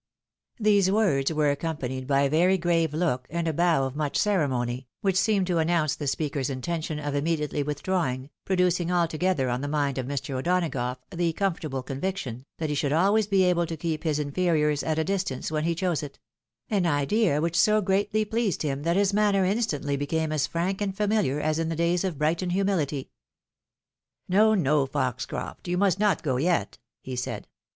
These words were accompanied by a very grave look, and a bow of much ceremony, which seemed to announce the speaker's intention of immediately withdrawing, producing altogether on the mind of Mr. O'Donagough the comfortable conviction, th^it he should always be able to keep his inferiors at a distance, when he chose it ; an idea which so greatly pleased him, that his manner instantly became as frank and famihar as in the days of his Brighton humility. 268 THE WIDOW MARRIED. " No, no, Foxcroft ! you must not go yet," he said.